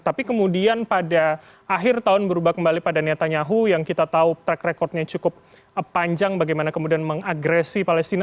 tapi kemudian pada akhir tahun berubah kembali pada netanyahu yang kita tahu track recordnya cukup panjang bagaimana kemudian mengagresi palestina